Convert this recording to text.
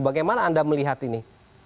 bagaimana anda melihat ini